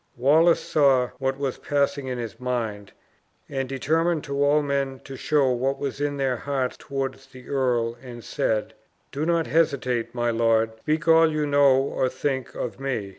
Wallace saw what was passing in his mind; and determined to all men to show what was in their hearts toward the earl and said, "Do not hesitate, my lord; speak all that you know or think of me.